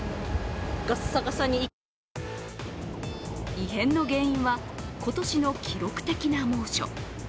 異変の原因は今年の記録的な猛暑。